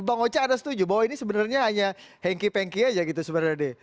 bang ocha ada setuju bahwa ini sebenarnya hanya hengkih pengkih aja gitu sebenarnya deh